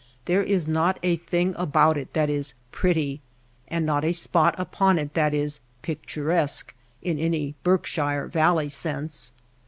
There is not a thing about it that is " pretty, ^^ and not a spot upon it that is ^^ picturesque^^ in any Berkshire Val ley sense.